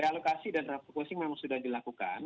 realokasi dan refocusing memang sudah dilakukan